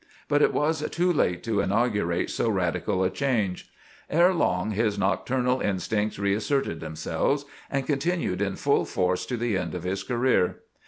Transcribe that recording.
But it was too late to inaugurate so radical a change. Ere long his nocturnal instincts reasserted themselves, and continued in full force to the end of his career.